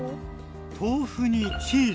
豆腐にチーズ！